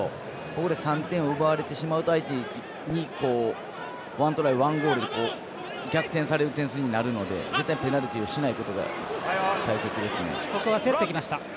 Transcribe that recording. ここで３点を奪われてしまうと相手に１トライ、１ゴール逆転される点数になるのでペナルティをしないことが大切ですね。